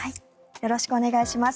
よろしくお願いします。